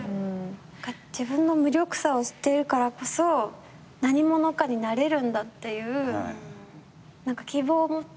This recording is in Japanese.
自分の無力さを知ってるからこそ何者かになれるんだっていう希望を持って。